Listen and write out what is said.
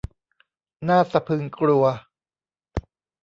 น่าสะพรึงกลัว